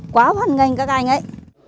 quá hoan nghênh các anh ấy